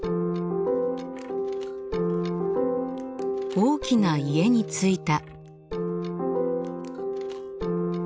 大きな家に着いた。